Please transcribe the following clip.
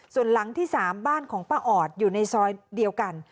ส่วนหลังที่๓บ้านของป้าออดอยู่ในซอยเดียวกัน